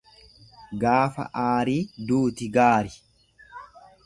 Gaafa aarii duuti gaari.